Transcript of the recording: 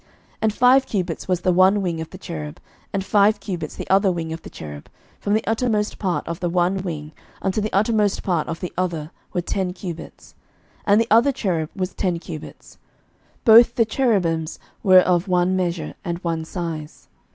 11:006:024 And five cubits was the one wing of the cherub, and five cubits the other wing of the cherub: from the uttermost part of the one wing unto the uttermost part of the other were ten cubits. 11:006:025 And the other cherub was ten cubits: both the cherubims were of one measure and one size.